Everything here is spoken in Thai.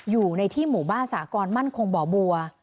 อยู่ในที่หมู่บ้านสากรมั่นคงบ่อบัว